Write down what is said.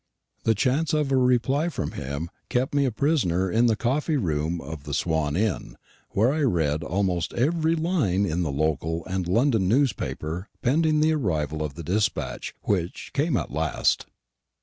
The chance of a reply from him kept me a prisoner in the coffee room of the Swan Inn, where I read almost every line in the local and London newspapers pending the arrival of the despatch, which came at last.